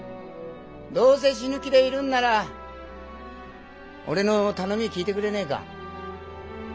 どうせ死ぬ気でいるんなら俺の頼み聞いてくれねえか？